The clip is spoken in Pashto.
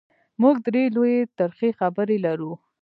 موږ درې لویې ترخې خبرې لرو: